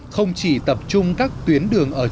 không chỉ tập trung các tuyến đường trọng điểm